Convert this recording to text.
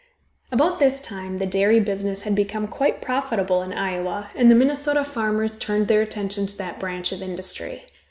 About this time the dairy business had become quite profitable in Iowa, and the Minnesota farmers turned their attention to that branch of industry.